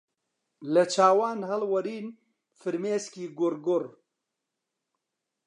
لە چاوان هەڵوەرین فرمێسکی گوڕگوڕ